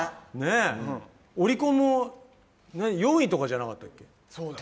オリコンも４位とかじゃなかったっけ？